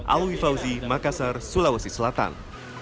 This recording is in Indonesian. alwi fauzi makassar sulawesi selatan